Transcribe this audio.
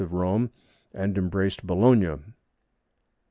of Rome, and embraced Bologna.